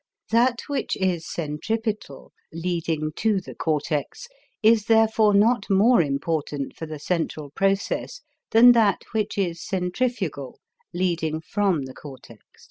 That which is centripetal, leading to the cortex, is therefore not more important for the central process than that which is centrifugal, leading from the cortex.